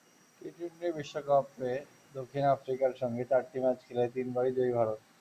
T twenty বিশ্বকাপে দক্ষিণ আফ্রিকার সঙ্গে চারটি ম্যাচ খেলে তিনবারই জয়ী ভারত।